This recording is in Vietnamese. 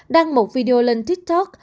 đăng một video lên tiktok